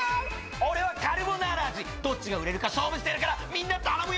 俺はカルボナーラ味どっちが売れるか勝負してるからみんな頼むよ